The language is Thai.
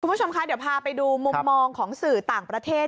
คุณผู้ชมคะเดี๋ยวพาไปดูมุมมองของสื่อต่างประเทศ